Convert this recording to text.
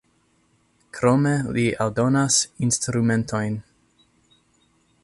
Krome li aldonas instrumentojn.